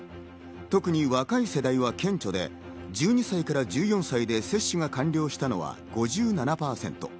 特に若い世代は顕著で、１２歳から１４歳で接種が完了したのは５７％。